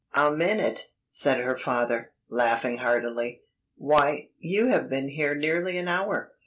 "A minute!" said her father, laughing heartily; "why, you have been here nearly an hour.